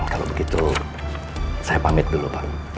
kalau begitu saya pamit dulu pak